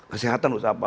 kesehatan harus apa